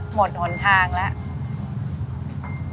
หมดหนทางแล้ว